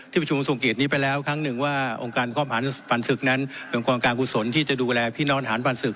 ประชุมทรงเกียจนี้ไปแล้วครั้งหนึ่งว่าองค์การครอบหันปันศึกนั้นเป็นองค์กรการกุศลที่จะดูแลพี่น้องหารปันศึก